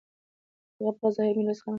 هغه به په ظاهره میرویس خان ته درناوی کاوه.